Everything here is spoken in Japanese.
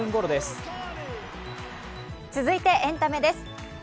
続いてエンタメです。